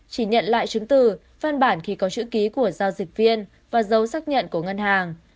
chỉ nhận lại chứng từ văn bản khi có chữ ký của giao dịch viên và dấu xác nhận của ngân hàng